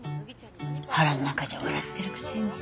腹の中じゃ笑ってるくせに。